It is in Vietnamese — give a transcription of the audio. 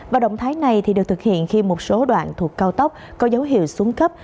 và động thái này được thực hiện khi một số đoạn thuộc cao tốc có dấu hiệu xuống cấp